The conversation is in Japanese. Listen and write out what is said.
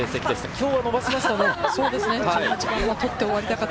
今日は伸ばしましたね。